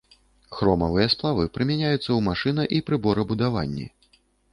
Хромавыя сплавы прымяняюцца ў машына- і прыборабудаванні.